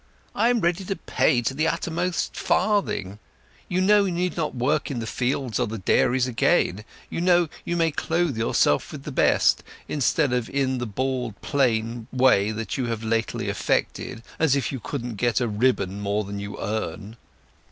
I am ready to pay to the uttermost farthing. You know you need not work in the fields or the dairies again. You know you may clothe yourself with the best, instead of in the bald plain way you have lately affected, as if you couldn't get a ribbon more than you earn."